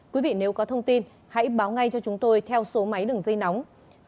quý vị nếu có thông tin hãy báo ngay cho chúng tôi theo số máy đường dây nóng